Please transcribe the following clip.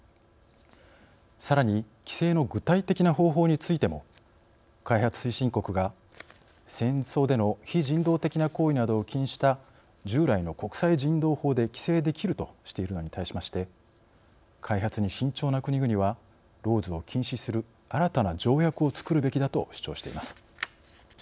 さらに規制の具体的な方法についても開発推進国が戦争での非人道的な行為などを禁じた従来の国際人道法で規制できるとしているのに対しまして開発に慎重な国々はＬＡＷＳを禁止する新たな条約をつくるべきだと主張しています。